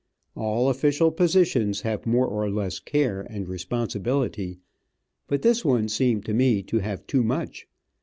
All official positions have more or less care and responsibility, but this one seemed to me to have too much.